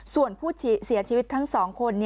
ส่วนผู้เสียชีวิตทั้ง๒คน